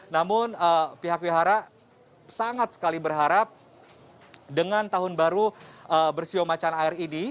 namun pihak wihara sangat sekali berharap dengan tahun baru bersio macan air ini